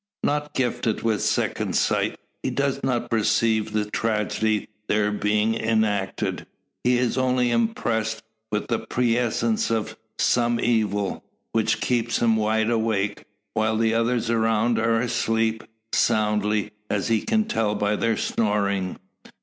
Not gifted with second sight, he does not perceive the tragedy there being enacted. He is only impressed with a prescience of some evil, which keeps him wide awake, while the others around are asleep; soundly, as he can tell by their snoring.